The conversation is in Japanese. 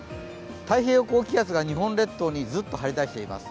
太平洋高気圧が日本列島にずっとはりだしています。